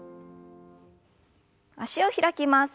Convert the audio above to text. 脚を開きます。